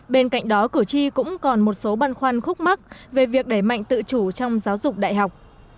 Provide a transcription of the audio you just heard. bên cạnh đó cử tri cũng còn một số băn khoăn khúc mắc về việc đẩy mạnh tự chủ trong giáo dục đại học